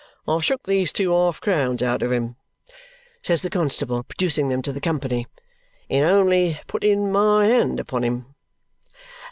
I shook these two half crowns out of him," says the constable, producing them to the company, "in only putting my hand upon him!"